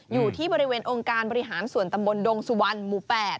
อยู่ที่บริเวณองค์การบริหารส่วนตำบลดงสุวรรณหมู่๘